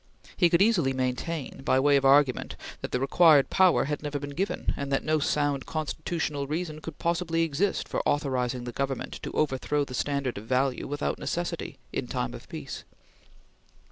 He could easily maintain, by way of argument, that the required power had never been given, and that no sound constitutional reason could possibly exist for authorizing the Government to overthrow the standard of value without necessity, in time of peace.